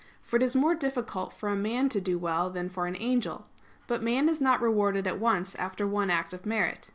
For it is more difficult for a man to do well than for an angel. But man is not rewarded at once after one act of merit.